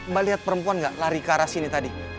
mbak lihat perempuan gak lari ke arah sini tadi